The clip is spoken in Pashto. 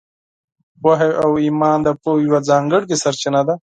وحي او ایمان د پوهې یوه ځانګړې سرچینه ده.